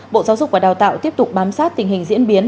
bộ giáo dục và đào tạo tiếp tục bám sát tình hình diễn biến